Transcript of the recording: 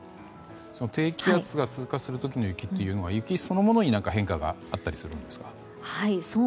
その低気圧が通過する時の雪というのは雪そのものに変化があったりするんですか？